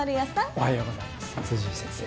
おはようございます辻井先生。